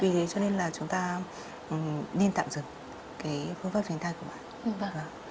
vì thế cho nên là chúng ta nên tạm dừng cái phương pháp tránh thai của bạn